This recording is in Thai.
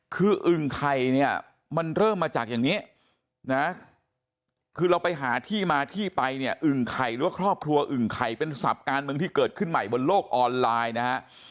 คืออึ่งไข่เนี่ยมันเริ่มมาจากอย่างนี้นะคือเราไปหาที่มาที่ไปเนี่ยอึ่งไข่หรือว่าครอบครัวอึ่งไข่เป็นศัพท์การเมืองที่เกิดขึ้นใหม่บนโลกออนไลน์นะฮะ